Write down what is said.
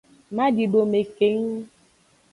Madidome keng.